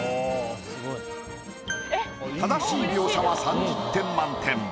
正しい描写は３０点満点。